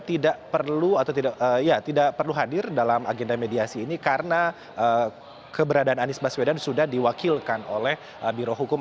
tidak perlu atau tidak perlu hadir dalam agenda mediasi ini karena keberadaan anies baswedan sudah diwakilkan oleh birohukum